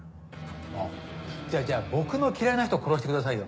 あっじゃあじゃあ僕の嫌いな人を殺してくださいよ。